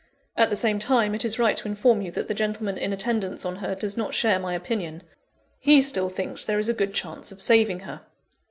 At the same time, it is right to inform you that the gentleman in attendance on her does not share my opinion: he still thinks there is a good chance of saving her.